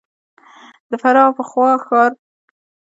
د فراه پخوانی ښار پروفتاسیا نومېده